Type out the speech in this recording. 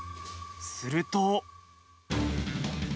すると。